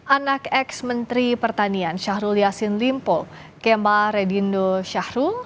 anak ex menteri pertanian syahrul yassin limpo kema redindo syahrul